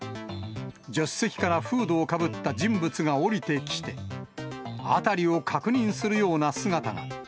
助手席からフードをかぶった人物が降りてきて、辺りを確認するような姿が。